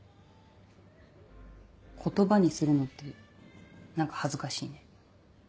言葉にするのって何か恥ずかしいね。